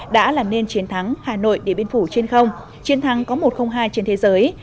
đã làm nên chiến thắng hà nội địa biên phủ trên không chiến thắng có một trăm linh hai trên thế giới